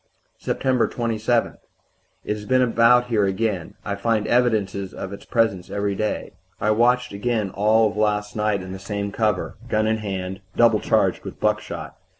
"Sept. 27. It has been about here again I find evidences of its presence every day. I watched again all of last night in the same cover, gun in hand, double charged with buckshot.